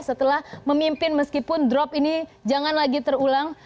setelah memimpin meskipun drop ini jangan lagi terulang